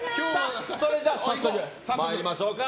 それじゃあ早速参りましょうか。